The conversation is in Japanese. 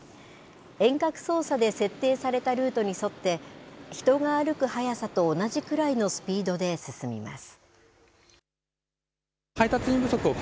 遠隔操作で設定されたルートに沿って、人が歩く速さと同じくらいのスピードで進みます。